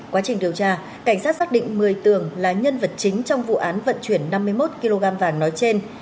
quá trình điều tra cảnh sát xác định một mươi tường là nhân vật chính trong vụ án vận chuyển năm mươi một kg vàng nói trên